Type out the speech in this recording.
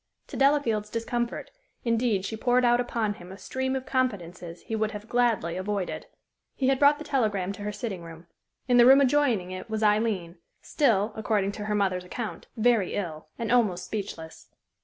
To Delafield's discomfort, indeed, she poured out upon him a stream of confidences he would have gladly avoided. He had brought the telegram to her sitting room. In the room adjoining it was Aileen, still, according to her mother's account, very ill, and almost speechless.